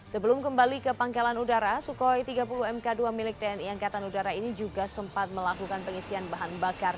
sebelum kembali ke pangkalan udara sukhoi tiga puluh mk dua milik tni angkatan udara ini juga sempat melakukan pengisian bahan bakar